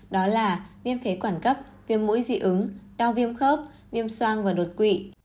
đó là viêm phế quản cấp viêm mũi dị ứng đau viêm khớp viêm soang và đột quỵ